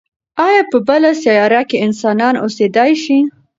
ایا په بله سیاره کې انسانان اوسېدای شي؟